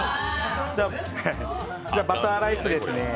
バターライスですね。